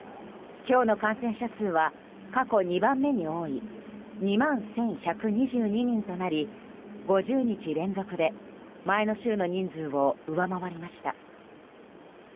今日の感染者数は過去２番目に多い２万１１２２人となり５０日連続で前の週の人数を上回りました。